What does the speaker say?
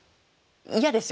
嫌ですよ。